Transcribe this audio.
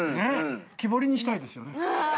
木彫りにしたいですよね。